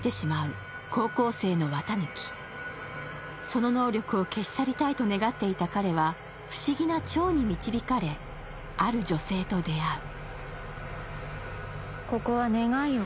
その能力を消し去りたいと願っていた彼は、不思議な蝶に導かれある女性と出会う。